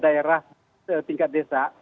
daerah tingkat desa